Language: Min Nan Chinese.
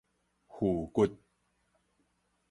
跗骨